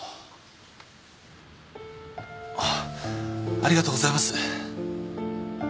ありがとうございます。